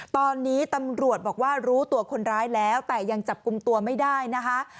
ตอนนี้ตำรวจบอกว่ารู้ตัวคนร้ายแล้วแต่ยังจับกลุ่มตัวไม่ได้นะคะ